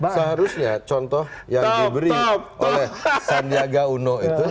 seharusnya contoh yang diberi oleh sandiaga uno itu